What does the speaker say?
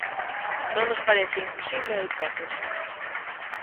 Non nos parece imposible a hipótese.